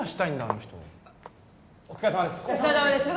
あの人お疲れさまです